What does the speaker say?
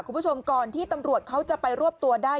คุณผู้ชมก่อนที่ตำรวจเขาจะไปรวบตัวได้